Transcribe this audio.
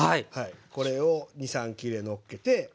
これを２３切れのっけて。